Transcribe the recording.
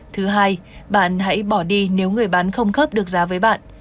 thứ hai bạn hãy bỏ đi nếu người bán không khớp được giá với bạn